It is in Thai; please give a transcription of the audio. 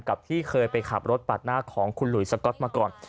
ที่เคยไปขับรถปาดหน้าของคุณหลุยสก๊อตมาก่อน